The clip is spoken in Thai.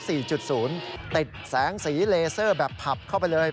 ติดแสงสีเลเซอร์แบบผับเข้าไปเลย